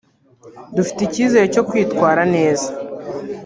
“Dufite icyizere cyo kwitwara neza”